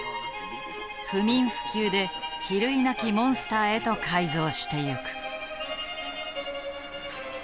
不眠不休で比類なきモンスターへと改造してゆく。